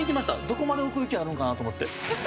どこまで奥行きあるんかなと思って。